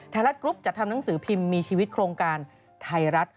ไทยรัฐกรุ๊ปจัดทำหนังสือพิมพ์มีชีวิตโครงการไทยรัฐ